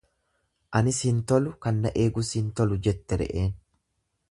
Anis hin tolu kan na eegus hin tolu jette re'een.